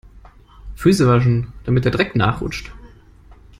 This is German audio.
Füße waschen, damit der Dreck nachrutscht.